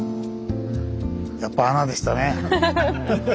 やっぱ穴でしたね。